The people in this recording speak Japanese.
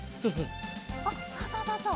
おっそうそうそうそう。